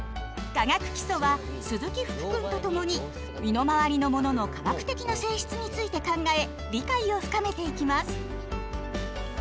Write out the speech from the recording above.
「化学基礎」は鈴木福くんと共に身の回りのものの化学的な性質について考え理解を深めていきます。